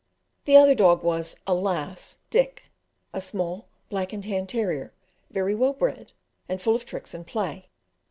The other dog was, alas! Dick, a small black and tan terrier, very well bred, and full of tricks and play.